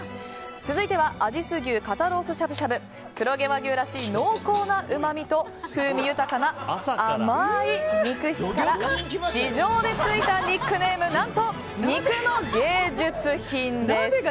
続いては、阿知須牛肩ロースしゃぶしゃぶ。黒毛和牛らしい濃厚な甘みと風味豊かな甘い肉質から市場でついたニックネームは何と肉の芸術品です。